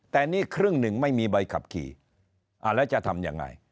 แต่นี่ครึ่งหนึ่งไม่มีใบขับขี่แล้วจะทำยังไง